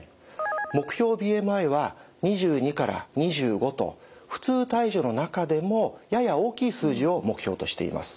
目標ＢＭＩは２２２５と普通体重の中でもやや大きい数字を目標としています。